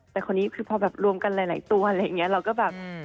แต่คนนี้คือพอแบบรวมกันหลายตัวอะไรอย่างนี้เราก็แบบ